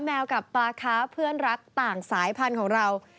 แมวกับปลาค้าเพื่อนรักต่างสายพันธุ์ของเรา